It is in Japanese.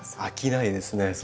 飽きないですね